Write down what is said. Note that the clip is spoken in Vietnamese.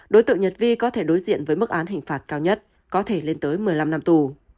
đối tượng nhật vi có thể đối diện với mức án hình phạt cao nhất có thể lên tới một mươi năm năm tù